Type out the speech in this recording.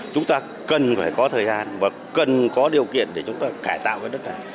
chúng ta cần phải có thời gian và cần có điều kiện để chúng ta cải tạo cái đất này